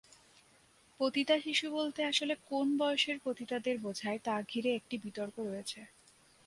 পতিতা শিশু বলতে আসলে কোন বয়সের পতিতাদের বোঝায় তা ঘিরে একটি বিতর্ক রয়েছে।